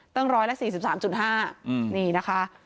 ตั้งร้อยละ๔๓๕นี่นะคะ